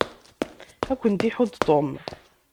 Ad kent-iḥudd Tom.